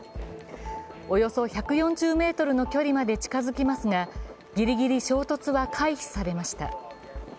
およそ１４０ｍの距離まで近づきますが、ギリギリ衝突は回避されました。